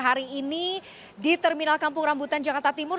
hari ini di terminal kampung rambutan jakarta timur